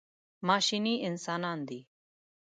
ماشیني انسانان دي.